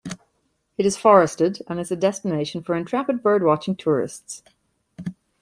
It is forested, and is a destination for intrepid bird-watching tourists.